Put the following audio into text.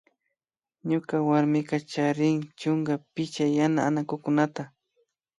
Ñuka warmika charin chunka picha yana anakukunata